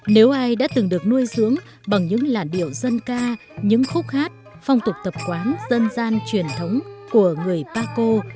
nếu ai đã từng được nuôi dưỡng bằng những làn điệu dân ca những khúc hát phong tục tập quán dân gian truyền thống của người paco